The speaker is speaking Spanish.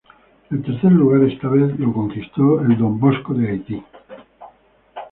El tercer lugar esta vez lo conquistó el Don Bosco de Haití.